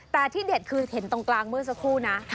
แต่ที่เด็ดคือเห็นตรงกลางเมื่อสักครู่นะ